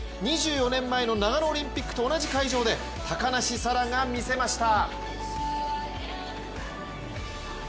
２４年前の長野オリンピックと同じ会場で、高梨沙羅が見せました。